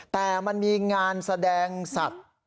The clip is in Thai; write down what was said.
แต่มันมีงานแสดงสัตว์